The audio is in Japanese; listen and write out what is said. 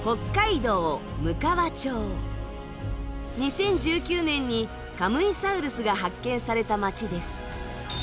２０１９年にカムイサウルスが発見された町です。